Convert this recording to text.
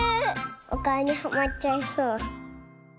おかおにはまっちゃいそう。